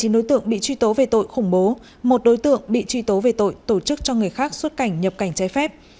chín đối tượng bị truy tố về tội khủng bố một đối tượng bị truy tố về tội tổ chức cho người khác xuất cảnh nhập cảnh trái phép